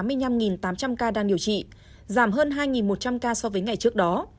hà nội đã tiêm một tám trăm linh ca đang điều trị giảm hơn hai một trăm linh ca so với ngày trước đó